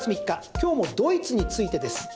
今日もドイツについてです。